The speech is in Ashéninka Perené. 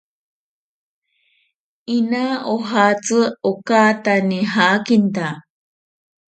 Inaa ojatsi okaata nijakinta.